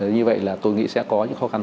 như vậy là tôi nghĩ sẽ có những khó khăn